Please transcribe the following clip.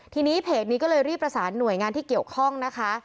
ทีนี้เพจนี้ก็เลยรีบประสานหน่วยงานที่เกี่ยวข้องนะคะ